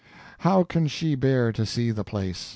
How can she bear to see the place.